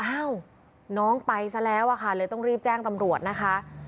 อ้าวน้องไปซะแล้วอะค่ะเลยต้องรีบแจ้งตำรวจนะคะ